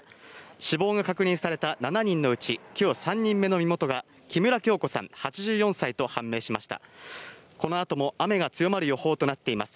死亡が確認された７人のうち今日３人目の身元が木村京子さん、８４歳と判明しました。